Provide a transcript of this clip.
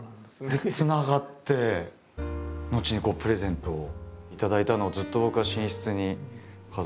でつながって後にプレゼントを頂いたのをずっと僕は寝室に飾らせて。